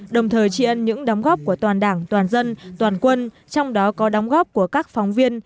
đồng thời tri ân những đóng góp của toàn đảng toàn dân toàn quân trong đó có đóng góp của các phóng viên